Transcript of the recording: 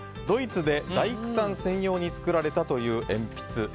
ドイツで大工さん専用に作られたという鉛筆。